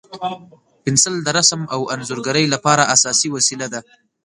پنسل د رسم او انځورګرۍ لپاره اساسي وسیله ده.